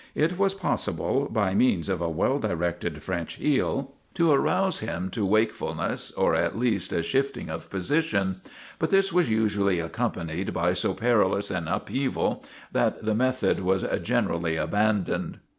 It was possible, by means of a well directed French heel, to arouse him to wake fulness or at least a shift ing of position, but this was usually accompanied by so perilous an upheaval that the method was gener ally abandoned.